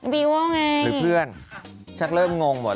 มีว่าไงหรือเพื่อนชักเริ่มงงหมดแล้ว